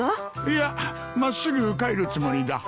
いや真っすぐ帰るつもりだ。